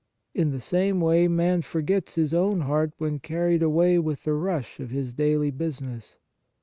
In the same way, man forgets his own heart when carried away with the rush of his daily business.